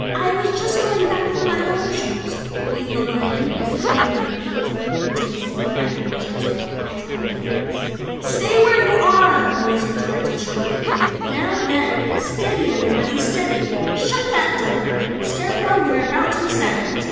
"I was just going back for my over shoes," wheezed the lion, slinking rather guiltily into his seat at the Wizard's reproachful glance. "Stay where you are!" the Wizard directed sharply. "Now then, steady everybody steady! Shut that door, Scarecrow, we are about to ascend."